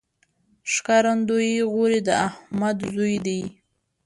ښکارندوی غوري د احمد زوی دﺉ.